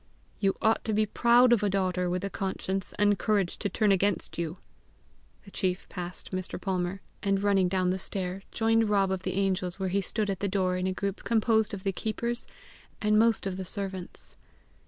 "You ought to be proud of a daughter with the conscience and courage to turn against you!" The chief passed Mr. Palmer, and running down the stair, joined Rob of the Angels where he stood at the door in a group composed of the keepers and most of the servants.